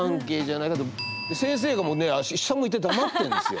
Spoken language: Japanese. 先生がもうね下向いて黙ってるんですよ。